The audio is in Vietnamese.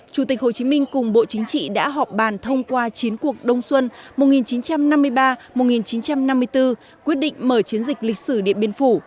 chủ tịch hồ chí minh cùng bộ chính trị đã họp bàn thông qua chiến cuộc đông xuân một nghìn chín trăm năm mươi ba một nghìn chín trăm năm mươi bốn quyết định mở chiến dịch lịch sử điện biên phủ